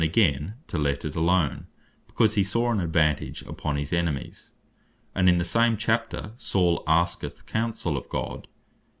again to let it alone, because he saw an advantage upon his enemies. And in the same chapter Saul asketh counsell of God.